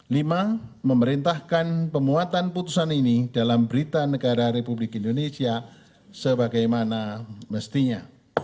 lima memerintahkan pemuatan putusan ini dalam berita negara republik indonesia sebagaimana mestinya